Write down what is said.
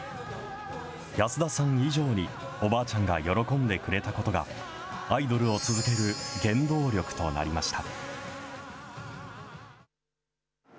安田さん以上におばあちゃんが喜んでくれたことが、アイドルを続ける原動力となりました。